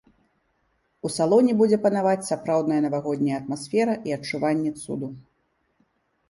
У салоне будзе панаваць сапраўдная навагодняя атмасфера і адчуванне цуду.